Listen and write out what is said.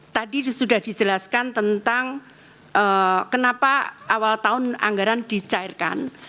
tadi sudah dijelaskan tentang kenapa awal tahun anggaran dicairkan